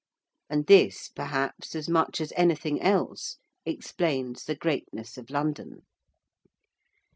And this, perhaps, as much as anything else, explains the greatness of London.